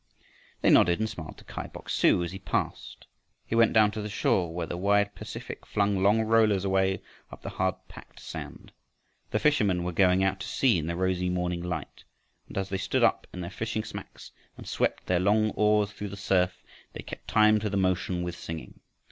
They nodded and smiled to Kai Bok su as he passed. He went down to the shore where the wide Pacific flung long rollers away up the hard packed sand. The fishermen were going out to sea in the rosy morning light, and as they stood up in their fishing smacks, and swept their long oars through the surf, they kept time to the motion with singing.